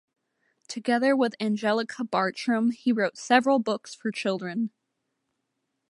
Together with Angelika Bartram he wrote several books for children.